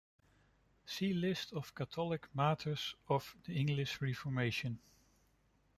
See List of Catholic martyrs of the English Reformation.